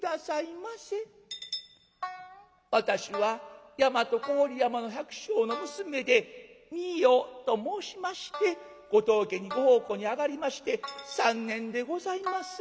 「私は大和郡山の百姓の娘でみよと申しましてご当家にご奉公に上がりまして３年でございます。